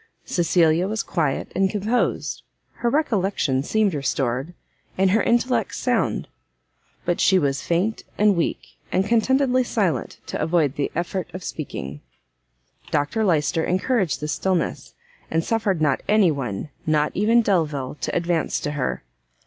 Cecilia was quiet and composed, her recollection seemed restored, and her intellects sound: hut she was faint and weak, and contentedly silent, to avoid the effort of speaking. Dr Lyster encouraged this stillness, and suffered not anyone, not even Delvile, to advance to her.